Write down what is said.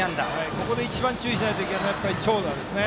ここで一番注意しないといけないのはやっぱり長打ですね。